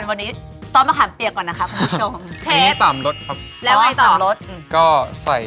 ปริการปลอมหรือไม่